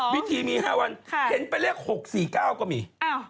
พิธีมี๕วันเห็นเป็นเลข๖๔๙ก็มี